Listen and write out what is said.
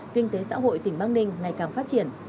kinh tế xã hội tỉnh bắc ninh ngày càng phát triển